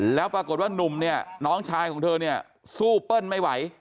แล้วปรากฏว่านุ่มเนี่ยน้องชายของเธอเนี่ยสู้เปิ้ลไม่ไหว